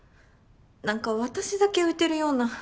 何か私だけ浮いてるような。